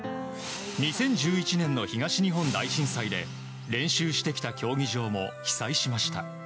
２０１１年の東日本大震災で練習してきた競技場も被災しました。